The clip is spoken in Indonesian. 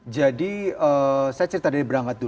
jadi saya cerita dari berangkat dulu